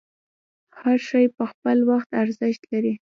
هر شی په خپل وخت ارزښت لري.